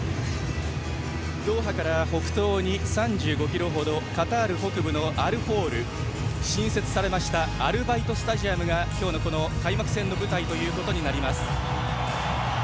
ドーハから北東に３５ｋｍほどカタール北部のアルホール新設されたアルバイトスタジアムが今日の開幕戦の舞台となります。